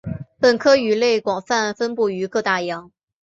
本科鱼类广泛分布于各大洋。